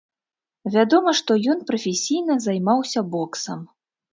Вядома, што ён прафесійна займаўся боксам.